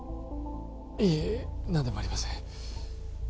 いえ何でもありません